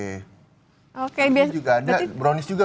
ini juga ada brownies juga